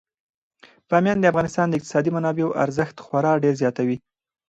بامیان د افغانستان د اقتصادي منابعو ارزښت خورا ډیر زیاتوي.